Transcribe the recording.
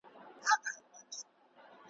د مرمۍ په څېر له پاسه راغوټه سو `